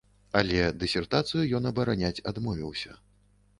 Але дысертацыю ён абараняць адмовіўся.